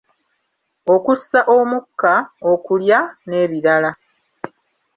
Okussa omukka, okulya, n'ebirala.